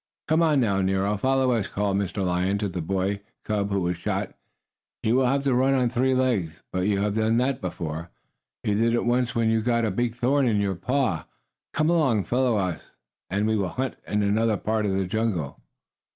"Come on now, Nero! Follow us!" called Mr. Lion to the boy cub who was shot. "You will have to run on three legs, but you have done that before. You did it once when you got a big thorn in your paw. Come along, follow us and we will hunt in another part of the jungle."